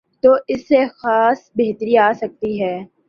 تو اس سے خاصی بہتری آ سکتی ہے۔